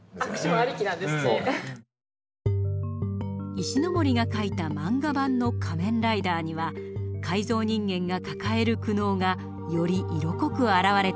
石森が描いた漫画版の「仮面ライダー」には改造人間が抱える苦悩がより色濃くあらわれています。